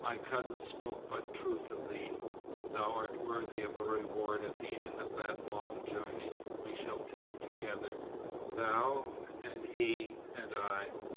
"My cousin spoke but truth of thee. Thou art worthy of a reward at the end of that long journey we shall take together, thou, and he, and I.